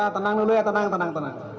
ya tenang dulu ya tenang tenang tenang